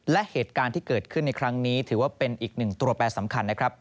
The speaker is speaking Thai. และเหตุการณ์ที่เกิดขึ้นในครั้งนี้ถือว่าเป็นอีกหนึ่งตัวแปรสำคัญนะครับ